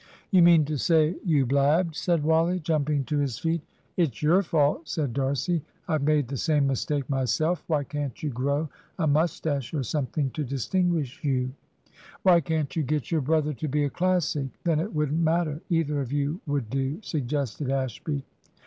"You mean to say you blabbed?" said Wally, jumping to his feet. "It's your fault," said D'Arcy. "I've made the same mistake myself. Why can't you grow a moustache or something to distinguish you?" "Why can't you get your brother to be a Classic! then it wouldn't matter either of you would do," suggested Ashby.